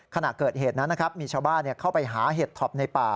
ขณะเกิดเหตุนั้นนะครับมีชาวบ้านเข้าไปหาเห็ดท็อปในป่า